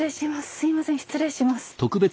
すいません失礼します。